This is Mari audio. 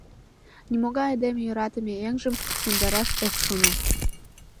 Нимогай айдеме йӧратыме еҥжым йомдараш ок шоно.